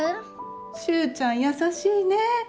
秀ちゃん優しいねえ。